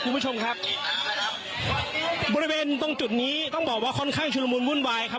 คุณผู้ชมครับบริเวณตรงจุดนี้ต้องบอกว่าค่อนข้างชุลมุนวุ่นวายครับ